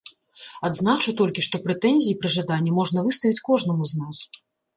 Адзначу толькі, што прэтэнзіі пры жаданні можна выставіць кожнаму з нас.